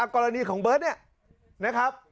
กรณีของเบิร์ตเนี่ยนะครับ